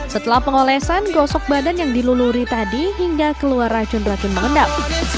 setelah pengolesan gosok badan yang diluluri tadi hingga keluar racun racun mengendap